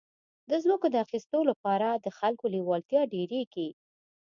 د ځمکو د اخیستو لپاره د خلکو لېوالتیا ډېرېږي.